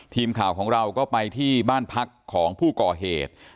ทีมข่าวของเราก็ไปที่บ้านพักของผู้ก่อเหตุ